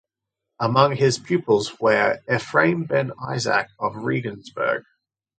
Among his pupils where Ephraim ben Isaac of Regensburg.